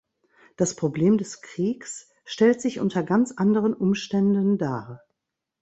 Das Problem des Kriegs stellt sich unter ganz anderen Umständen dar.